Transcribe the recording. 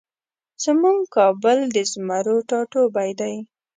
زمونږ کابل د زمرو ټاټوبی دی